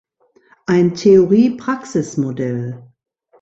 Ein Theorie-Praxis-Modell“.